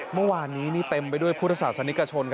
เมื่อวานนี้เต็มไปด้วยพุทธศาสนิกชน